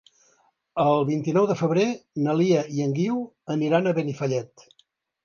El vint-i-nou de febrer na Lia i en Guiu aniran a Benifallet.